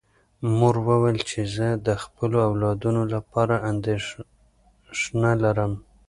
مور وویل چې زه د خپلو اولادونو لپاره اندېښنه لرم.